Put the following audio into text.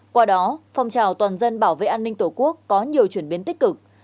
qua đó phong trào toàn dân bảo vệ an ninh tổ quốc có nhiều chuyển biến tích cực